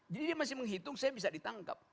jadi dia masih menghitung saya bisa ditangkap